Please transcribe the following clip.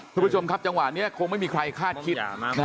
คุณผู้ชมครับจังหวะนี้คงไม่มีใครคาดคิด